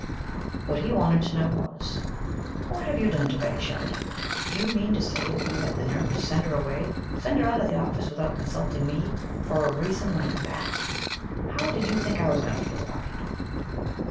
What he wanted to know was, "What have you done to Betty Sheridan? Do you mean to say that you had the nerve to send her away, send her out of my office without consulting me and for a reason like that? How did you think I was going to feel about it?"